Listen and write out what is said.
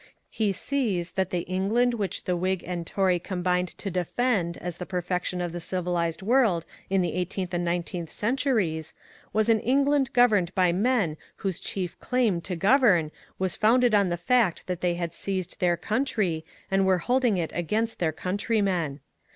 He sees that the England which Whig and Tory combined to defend as the perfection of the civilized world in the eighteenth and nineteenth centuries was an England governed by men whose chief claim to govern was founded on the fact that they had seized their country and were holding it against their countrymen.